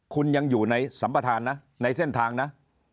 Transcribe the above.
คุณยังอยู่ในสัมปทานนะในเส้นทางนะ